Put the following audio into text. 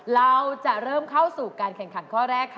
เราจะเริ่มเข้าสู่การแข่งขันข้อแรกค่ะ